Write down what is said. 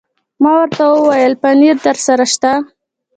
ما ورته وویل: پنیر درسره شته؟